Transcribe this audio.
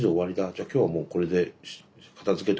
じゃあ今日はもうこれで片づけて終わりですね。